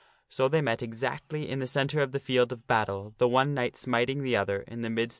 So they met exactly in the centre of the field of battle, the one knight smiting the other in the midst